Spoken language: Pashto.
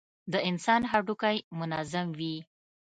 د انسان هډوکى منظم وي.